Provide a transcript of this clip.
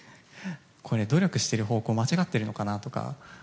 これ努力している方向間違ってるのかなとか